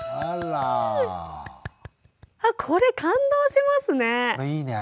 あこれ感動しますね。